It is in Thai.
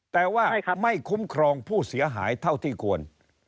แต่ว่าไม่คุ้มครองผู้เสียหายเท่าที่ควร